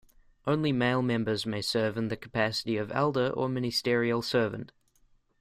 Only male members may serve in the capacity of elder or ministerial servant.